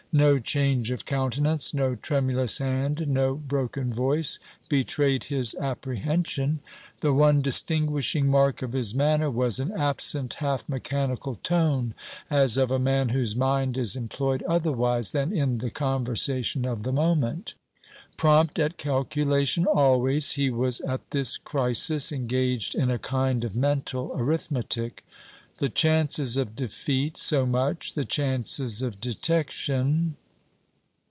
No change of countenance, no tremulous hand, no broken voice, betrayed his apprehension. The one distinguishing mark of his manner was an absent, half mechanical tone, as of a man whose mind is employed otherwise than in the conversation of the moment. Prompt at calculation always, he was at this crisis engaged in a kind of mental arithmetic. "The chances of defeat, so much; the chances of detection